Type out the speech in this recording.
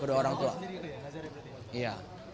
kedua orang sendiri ya najar ya berarti